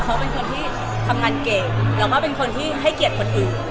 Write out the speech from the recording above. เขาเป็นคนที่ทำงานเก่งแล้วก็เป็นคนที่ให้เกียรติคนอื่น